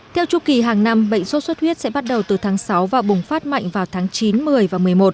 theo chu kỳ hàng năm bệnh sốt xuất huyết sẽ bắt đầu từ tháng sáu và bùng phát mạnh vào tháng chín một mươi và một mươi một